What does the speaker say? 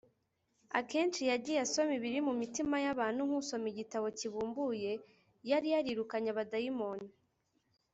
akenshi yagiye asoma ibiri mu mitima y’abantu nk’usoma igitabo kibumbuye; yari yarirukanye abadayimoni,